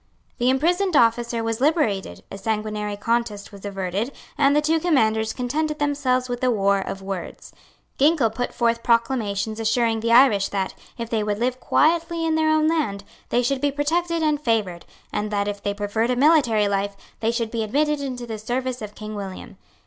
The imprisoned officer was liberated; a sanguinary contest was averted; and the two commanders contented themselves with a war of words. Ginkell put forth proclamations assuring the Irish that, if they would live quietly in their own land, they should be protected and favoured, and that if they preferred a military life, they should be admitted into the service of King William.